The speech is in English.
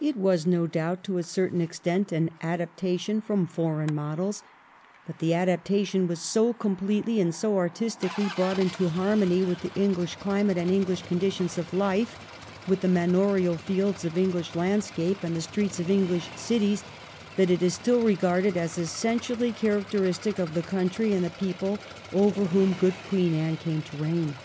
It was no doubt to a certain extent an adaptation from foreign models ; but the adaptation was so completely and so artistically brought into harmony with the English cUmate and EngUsh conditions of life, with the manorial fields of English landscape and the streets of English cities, that it is still regarded as essentially characteristic of the country and the people over whom good Queen Anne came to reign.